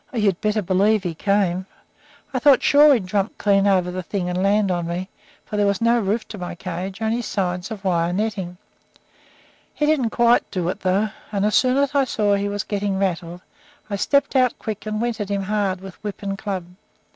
Oh, you'd better believe he came! I thought sure he'd jump clean over the thing and land on me; for there was no roof to my cage only sides of wire netting. He didn't quite do it, though; and as soon as I saw he was getting rattled I stepped out quick and went at him hard with whip and club.